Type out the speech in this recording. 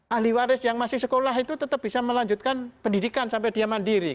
ahli waris yang masih sekolah itu tetap bisa melanjutkan pendidikan sampai dia mandiri